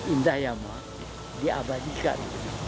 indah ya mak diabadikan